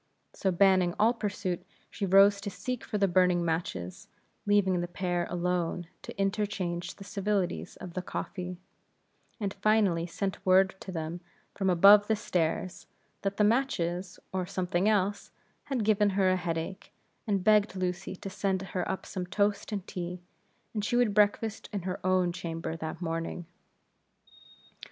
So banning all pursuit, she rose to seek for the burning matches, leaving the pair alone to interchange the civilities of the coffee; and finally sent word to them, from above stairs, that the matches, or something else, had given her a headache, and begged Lucy to send her up some toast and tea, for she would breakfast in her own chamber that morning.